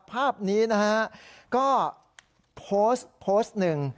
ภาพนี้นะฮะก็โพสต์โพสต์หนึ่ง